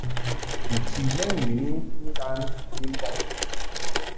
Nchi lɛ ŋwini ndan ni mbɔŋ.